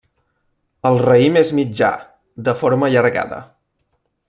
El raïm és mitjà, de forma allargada.